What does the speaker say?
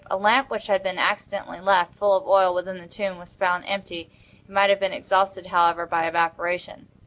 A lamp which had been accidentally left, full of oil, within the tomb, was found empty; it might have been exhausted, however, by evaporation.